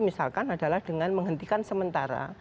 misalkan adalah dengan menghentikan sementara